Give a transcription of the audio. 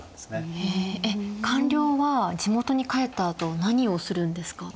えっ官僚は地元に帰ったあと何をするんですか？